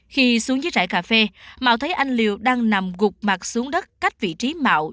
khi xuống dưới trại cà phê mạo thấy anh liều đang nằm gục mặt xuống đất cách vị trí mạo